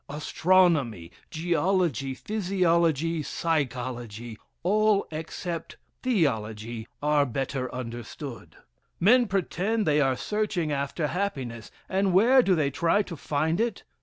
Astronomy, geology, physiology, psychology all except theology are belter understood. Men pretend they are searching after happiness, and where do they try to find it?